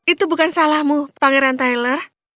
itu bukan salahmu pangeran tyler